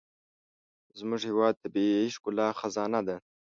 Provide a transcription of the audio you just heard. زموږ هېواد د طبیعي ښکلا خزانه ده.